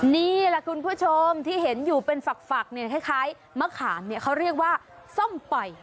นี่แหละคุณผู้ชมที่เห็นอยู่เป็นฝักเนี่ยคล้ายมะขามเขาเรียกว่าส้มปล่อย